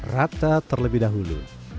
rata terlebih dahulu